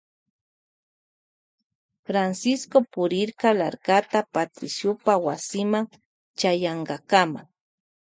Francisco purirka larkata Patriciopa wasima chayankakama.